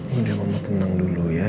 ini udah mama tenang dulu ya